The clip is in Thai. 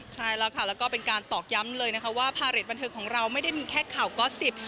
ใช่แล้วค่ะแล้วก็เป็นการตอกย้ำเลยนะคะว่าพาเรทบันเทิงของเราไม่ได้มีแค่ข่าวก๊อตสิบ